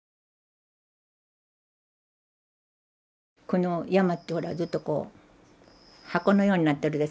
この山ってほらずっとこう箱のようになってるでしょ。